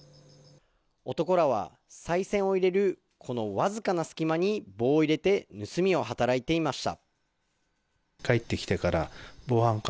男らはさい銭を入れるこのわずかな隙間に棒を入れて盗みを働いていました。